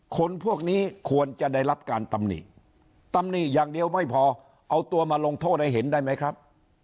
คนพวกนี้ควรจะได้รับการตำหนิตำหนิอย่างเดียวไม่พอเอาตัวมาลงโทษให้เห็นได้ไหมครับ